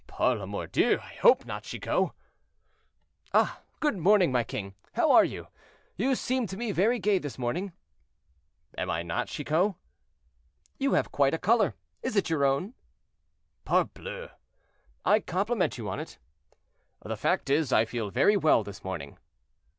"Par la mordieu! I hope not, Chicot." "Ah! good morning, my king. How are you? You seem to me very gay this morning." "Am I not, Chicot?" "You have quite a color; is it your own?" "Parbleu!" "I compliment you on it." "The fact is, I feel very well this morning."